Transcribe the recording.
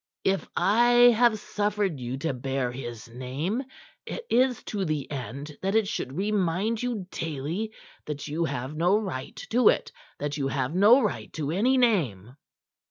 If I have suffered you to bear his name, it is to the end that it should remind you daily that you have no right to it, that you have no right to any name."